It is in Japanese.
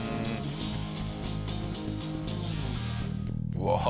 うわ！